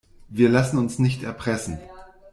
Wir lassen uns nicht erpressen.